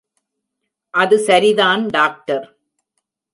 அது சரிதான் டாக்டர்.